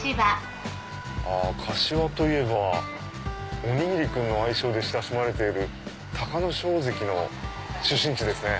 柏といえばおにぎり君の愛称で親しまれている隆の勝関の出身地ですね。